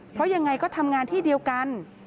เพราะยังไงก็ทำงานที่เดียวกัน